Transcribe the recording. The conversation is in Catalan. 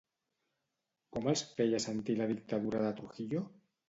Com els feia sentir la dictadura de Trujillo?